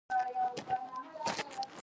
ځای پر ځای به ودرېدو.